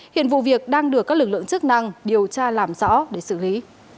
hiện vụ việc đang được các lực lượng chức năng điều tra làm rõ để xử lý